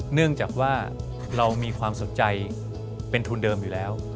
เนื่องจากว่าเรามีความสนใจเป็นทุนเดิมอยู่แล้ว